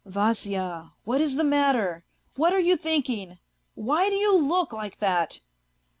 " Vasya, what is the matter ? What are you thinking ? Why do you look like that